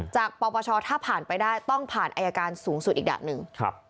ปปชถ้าผ่านไปได้ต้องผ่านอายการสูงสุดอีกดะหนึ่ง